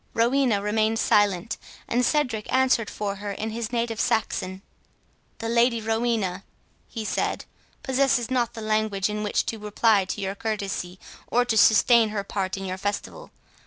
Rowena remained silent, and Cedric answered for her in his native Saxon. "The Lady Rowena," he said, "possesses not the language in which to reply to your courtesy, or to sustain her part in your festival.